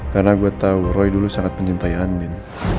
karena gue tau roy dulu sangat mencintai andin